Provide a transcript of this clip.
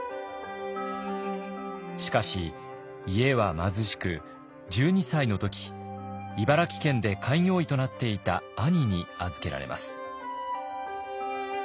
しかし家は貧しく１２歳の時茨城県で開業医となっていた兄に預けられます。